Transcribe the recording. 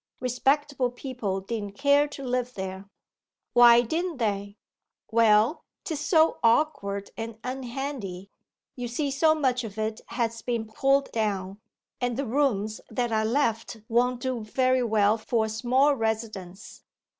Respectable people didn't care to live there.' 'Why didn't they?' 'Well, 'tis so awkward and unhandy. You see so much of it has been pulled down, and the rooms that are left won't do very well for a small residence.